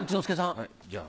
はいじゃあ。